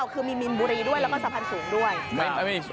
คือมีมินบุรีด้วยแล้วก็สะพานสูงด้วย